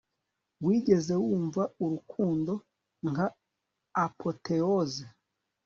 Wigeze wumva urukundo nka apotheose